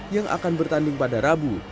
yang paling pada rabu